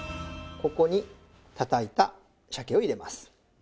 ここに叩いた鮭を入れます。